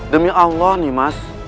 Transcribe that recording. demi allah nih mas